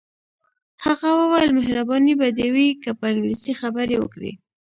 هغه وویل مهرباني به دې وي که په انګلیسي خبرې وکړې.